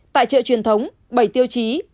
tại chợ truyền thống bảy tiêu chí